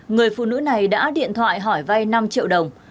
người phụ nữ này đã điện thoại hỏi vay năm triệu đồng